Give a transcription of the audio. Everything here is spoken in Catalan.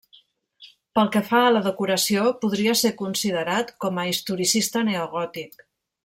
Pel que fa a la decoració podria ser considerat com a historicista neogòtic.